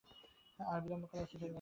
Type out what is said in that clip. আর বিলম্ব করা উচিত হইবে না।